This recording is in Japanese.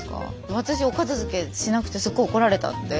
私お片づけしなくてすごい怒られたんで。